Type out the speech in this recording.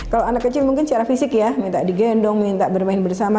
kalau anak kecil mungkin secara fisik ya minta digendong minta bermain bersama